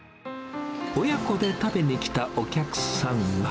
親子で食べに来たお客さんは。